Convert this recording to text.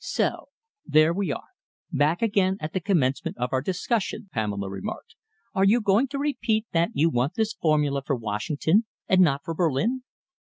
"So there we are, back again at the commencement of our discussion," Pamela remarked. "Are you going to repeat that you want this formula for Washington and not for Berlin?"